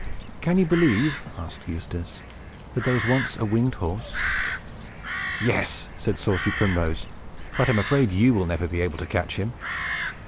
"Can you believe," asked Eustace, "that there was once a winged horse?" "Yes," said saucy Primrose; "but I am afraid you will never be able to catch him."